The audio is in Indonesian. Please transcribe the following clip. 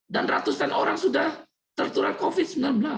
dan ratusan orang sudah tertular covid sembilan belas